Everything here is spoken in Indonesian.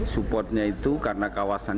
supportnya itu karena kawasannya